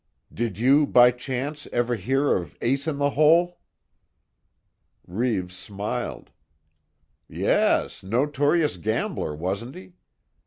Did you, by chance, ever hear of Ace In The Hole?" Reeves smiled: "Yes notorious gambler, wasn't he?